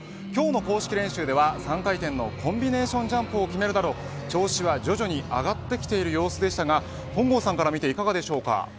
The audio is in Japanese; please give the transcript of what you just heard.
今日の公式練習では３回転のコンビネーションジャンプを決めるなど調子は徐々に上がってきている様子でしたが本郷さんから見ていかがでしょうか。